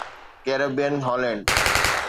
Caribbean Holland